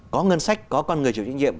có ngân sách có con người chủ trách nhiệm